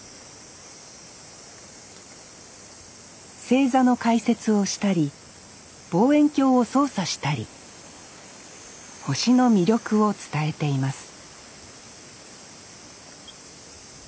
星座の解説をしたり望遠鏡を操作したり星の魅力を伝えています